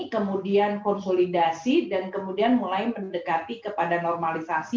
kemudian konsolidasi dan kemudian mulai mendekati kepada normalisasi